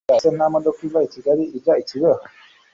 sonia ese nta modoka iva i kigali ijya i kibeho